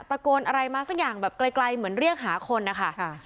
ตะโกนอะไรมาสักอย่างแบบไกลเหมือนเรียกหาคนนะคะ